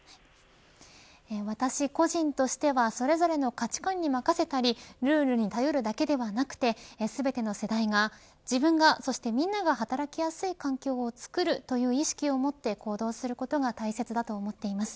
私個人としてはそれぞれの価値観に任せたりルールに頼るだけではなくて全ての世代が自分が、そしてみんなが働きやすい環境を作るという意識を持って行動することが大切だと思っています。